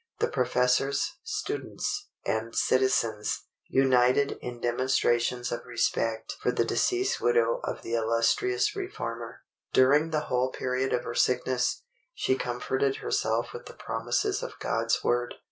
The professors, students, and citizens, united in demonstrations of respect for the deceased widow of the illustrious reformer. During the whole period of her sickness, she comforted herself with the promises of God's word.